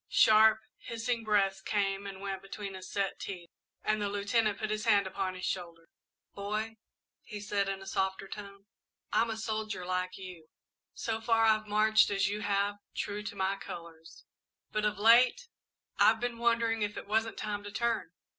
Sharp, hissing breaths came and went between his set teeth and the Lieutenant put his hand upon his shoulder. "Boy," he said, in a softer tone, "I'm a soldier, like you. So far, I've marched as you have, true to my colours, but of late, I've been wondering if it wasn't time to turn.